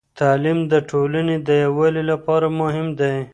تعليم د ټولنې د يووالي لپاره مهم دی.